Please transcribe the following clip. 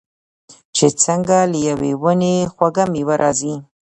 چې څنګه له یوې ونې خوږه میوه راځي.